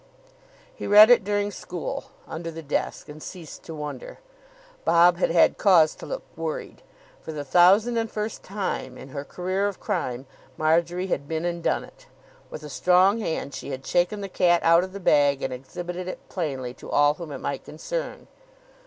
He read it during school, under the desk; and ceased to wonder. Bob had had cause to look worried. For the thousand and first time in her career of crime Marjory had been and done it! With a strong hand she had shaken the cat out of the bag, and exhibited it plainly to all whom it might concern.